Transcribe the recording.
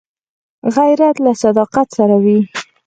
غیرت له صداقت سره وي